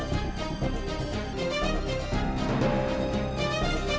sampai jumpa lagi